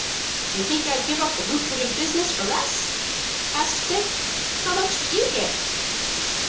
"Do you think I'd give up a loocrative business for less?" asked Dick. "How much do you get?"